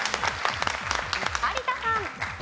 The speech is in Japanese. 有田さん。